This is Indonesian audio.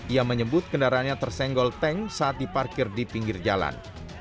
ia menyebut kendaraannya tersenggol tank saat diparkir di pinggir jalan